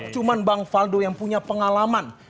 cuma bang faldo yang punya pengalaman